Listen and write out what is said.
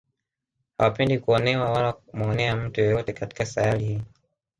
Hawapendi kuonewa wala kumuonea mtu yeyote katika sayari hii